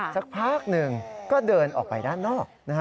สักพักหนึ่งก็เดินออกไปด้านนอก